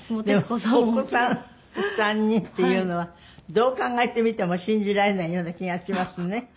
でもお子さん３人っていうのはどう考えてみても信じられないような気がしますね。